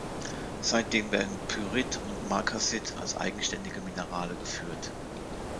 Seitdem werden Pyrit und Markasit als eigenständige Minerale geführt.